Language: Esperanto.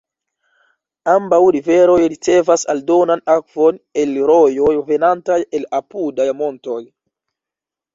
Ambaŭ riveroj ricevas aldonan akvon el rojoj venantaj el la apudaj montoj.